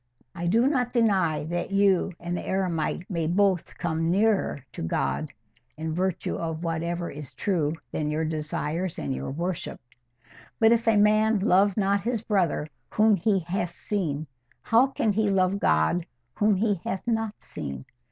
I do not deny that you and the eremite may both come NEARER to God, in virtue of whatever is true in your desires and your worship; 'but if a man love not his brother whom he hath seen, how can he love God whom he hath not seen?